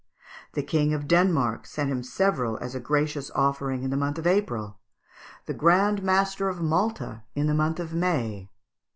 The King of Denmark sent him several as a gracious offering in the month of April; the Grand Master of Malta in the month of May.